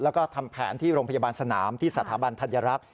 แล้วก็ทำแผนที่โรงพยาบาลสนามที่สถาบันธัญรักษ์